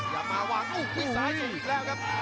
อย่ามาวลาตูปิดซ้ายที่อีกแล้วครับ